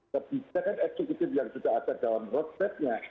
kebijakan eksekutif yang sudah ada dalam roadmapnya